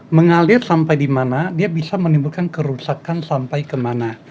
mengalir sampai dimana dia bisa menimbulkan kerusakan sampai kemana